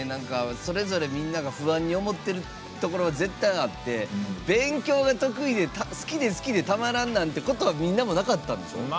それぞれみんなが不安に思ってるところ絶対あって勉強が得意で好きで好きでたまらんなんていうことは最初は。